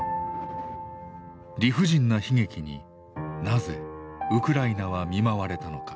理不尽な悲劇になぜウクライナは見舞われたのか。